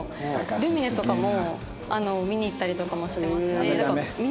ルミネとかも見に行ったりとかもしてますし。